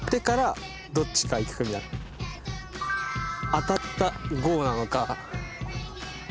当たったゴーなのか。